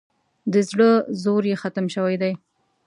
د زړه زور یې ختم شوی دی.